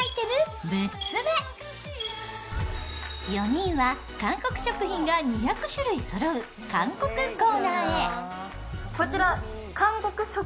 ４人は、韓国食品が２００種類そろう韓国コーナーへ。